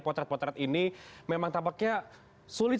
potret potret ini memang tampaknya sulit